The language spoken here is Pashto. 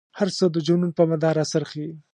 هر څه د جنون په مدار را څرخي.